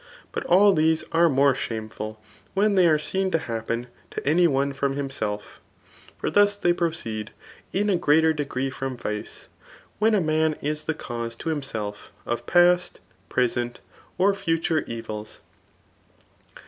But dl iheae are more ahamefi.il when they are aeen to haftpefl to any one iiom hiflaeelf ^ for thns they proceed in ii grteter degree &om vice, when a man is the canse t6 hhnadf, of past, present^ or foture evils.